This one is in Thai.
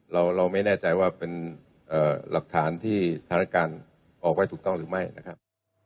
เราไม่แน่ใจว่าเป็นหลักฐานที่สถานการณ์ออกไว้ถูกต้องหรือไม่นะครับ